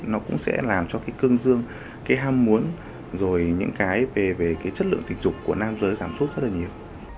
nó cũng sẽ làm cho cương dương hâm muốn rồi những cái về chất lượng tình dục của nam giới giảm sốt rất là nhiều